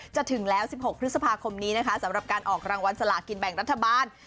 ถึงแล้ว๑๖พฤษภาคมนี้นะคะสำหรับการออกรางวัลสลากินแบ่งรัฐบาล